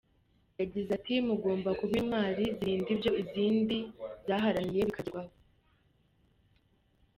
Yagize ati ‘‘Mugomba kuba intwari zirinda ibyo izindi zaharaniye bikagerwaho.